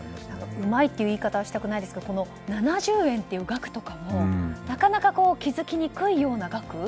うまいという言い方はしたくないですけど７０円という額というとなかなか気づきにくいような額。